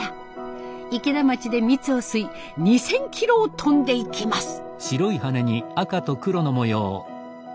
池田町で蜜を吸い２，０００キロを飛んでいきます。